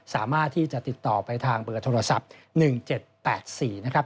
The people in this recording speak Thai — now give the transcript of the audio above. สามารถที่จะติดต่อไปทางเบอร์โทรศัพท์๑๗๘๔นะครับ